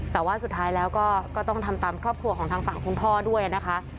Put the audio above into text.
แต่ว่าสุดท้ายแล้วก็ก็ต้องทำตามครอบครัวของทางฝั่งคุณพ่อด้วยนะคะ